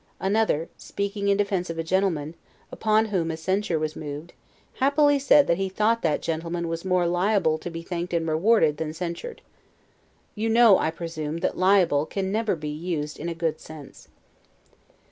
Another, speaking in defense of a gentleman, upon whom a censure was moved, happily said that he thought that gentleman was more LIABLE to be thanked and rewarded, than censured. You know, I presume, that LIABLE can never be used in a good sense.